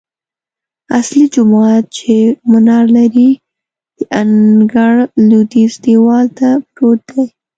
اصلي جومات چې منار لري، د انګړ لویدیځ دیوال ته پروت دی.